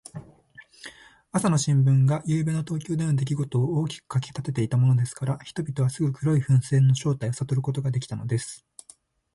朝の新聞が、ゆうべの東京でのできごとを大きく書きたてていたものですから、人々はすぐ黒い風船の正体をさとることができたのです。